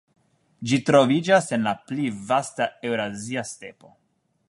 Ĝi troviĝas en la pli vasta Eŭrazia Stepo.